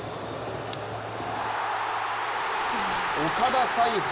岡田采配